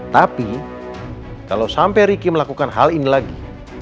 tapi kalau sampai ricky melakukan hal ini lagi